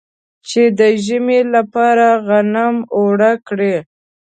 چې د ژمي لپاره غنم اوړه کړي.